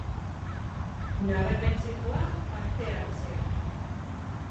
Nabarmentzekoa, parte hartzea.